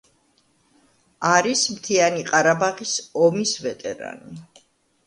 არის მთიანი ყარაბაღის ომის ვეტერანი.